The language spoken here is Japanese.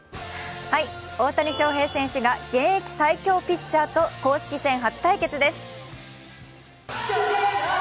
大谷翔平選手が現役最強ピッチャーと公式戦初対決です。